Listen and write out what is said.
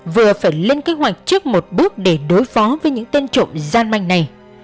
vừa phải lên kế hoạch trước một bước để đối phó với những tên trộm gian manh này